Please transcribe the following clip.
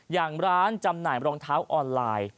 อย่างร้านจำหน่ายรองเท้าออนไลน์